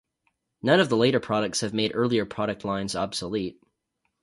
None of the later products have made earlier product lines obsolete.